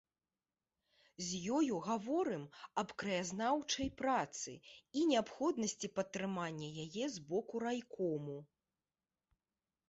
З ёю гаворым аб краязнаўчай працы і неабходнасці падтрымання яе з боку райкому.